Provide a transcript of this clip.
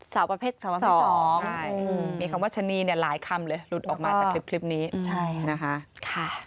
สาวประเภท๒มีคำว่าชะนีเนี่ยหลายคำเลยหลุดออกมาจากคลิปนี้นะคะ